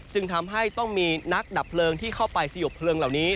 จึงทำให้ต้องมีนักดับเพลิงที่เข้าไปสยบเพลิงเหล่านี้